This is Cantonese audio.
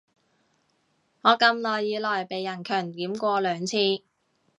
我咁耐以來被人強檢過兩次